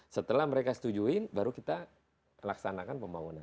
setelah mereka setujuin baru kita laksanakan pembangunan